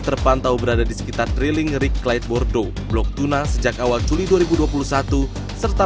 terpantau berada di sekitar trailing rig clyde bordeaux blok tuna sejak awal juli dua ribu dua puluh satu serta